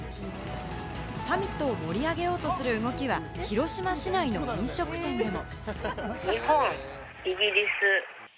サミットを盛り上げようとする動きは、広島市内の飲食店でも。